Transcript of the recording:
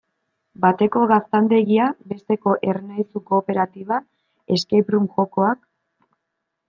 Bateko gaztandegia, besteko Ernaizu kooperatiba, escape-room jokoak...